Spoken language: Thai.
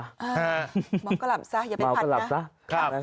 เหมาก็หลับซะอย่าไปผัดนะ